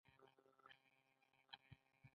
نانی ماما چيري ځې؟